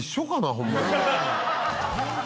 ホンマに。